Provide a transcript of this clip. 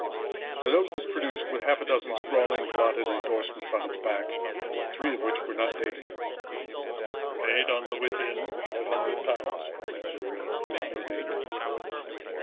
The note was produced, with half a dozen scrawling, blotted indorsements on its back, three of which were not dated. "Paid on the within £500," one of them read with no date.